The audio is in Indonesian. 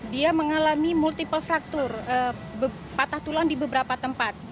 dia mengalami multiple fractur patah tulang di beberapa tempat